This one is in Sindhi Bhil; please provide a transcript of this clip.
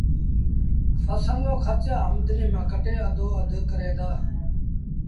ڦسل رو کرچ آمدنيٚ مآݩ ڪٽي اڌو اڌ ڪريݩ دآ